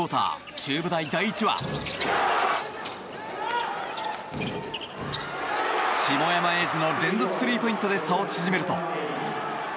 中部大第一は下山瑛司の連続スリーポイントで差を縮めると。